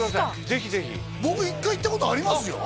ぜひぜひ僕１回行ったことありますよ